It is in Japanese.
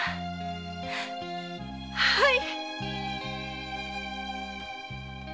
はい！